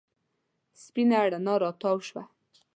سپېنه رڼا راتاو شوه.